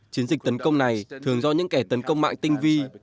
chiến dịch tấn công này thường do những kẻ tấn công mạng tinh vi